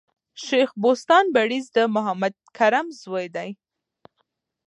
شېخ بُستان بړیځ د محمد کرم زوی دﺉ.